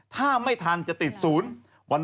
ถ้าไม่ทันจะติดศูนย์